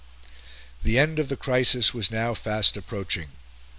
The end of the crisis was now fast approaching.